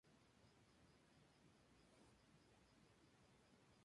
La zona cultural está localizada bastante cerca de un pueblo.